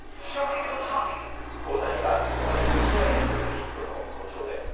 大谷はここまで２試合連続ヒットと好調です。